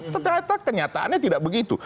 ternyata kenyataannya tidak begitu